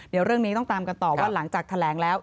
เดี๋ยวเรื่องนี้ต้องตามกันต่อว่าหลังจากแถลงแล้ว